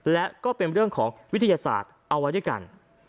และก็เป็นเรื่องของวิทยาศาสตร์เอาไว้ด้วยกัน